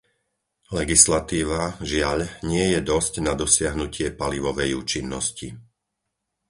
Legislatíva, žiaľ, nie je dosť na dosiahnutie palivovej účinnosti.